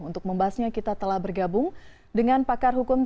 untuk membahasnya kita telah bergabung dengan pakar hukum